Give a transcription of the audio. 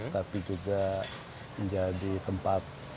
tapi juga menjadi tempat